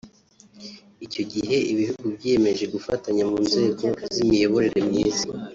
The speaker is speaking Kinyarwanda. Icyo gihe ibihugu byiyemeje gufatanya mu nzego z’imiyoborere myiza